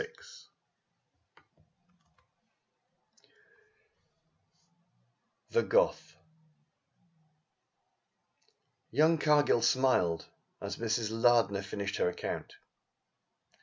VI THE GOTH Young Cargill smiled as Mrs. Lardner finished her account.